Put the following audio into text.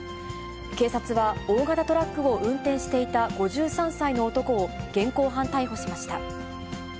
警察は大型トラックを運転していた５３歳の男を現行犯逮捕しました。